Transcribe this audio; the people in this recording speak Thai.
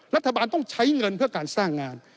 รัฐบาลต้องใช้เงินเพื่อการสร้างงาน